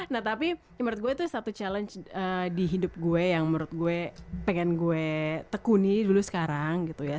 nah tapi menurut gue itu satu challenge di hidup gue yang menurut gue pengen gue tekuni dulu sekarang gitu ya